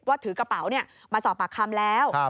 ถือกระเป๋ามาสอบปากคำแล้ว